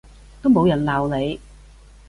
都冇人鬧你